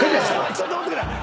ちょっと待ってくれ！